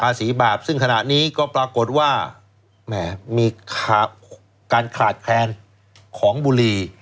สีบาปซึ่งขณะนี้ก็ปรากฏว่าแหมมีการขาดแคลนของบุรี